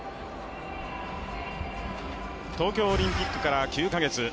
東京オリンピックから９カ月。